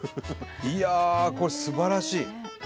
いやあこれすばらしい！